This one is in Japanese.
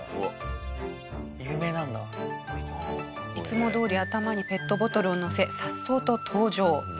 有名なんだ。いつもどおり頭にペットボトルをのせさっそうと登場。